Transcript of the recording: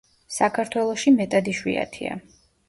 საქართველოში მეტად იშვიათია.